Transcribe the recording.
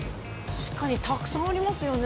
確かにたくさんありますよね。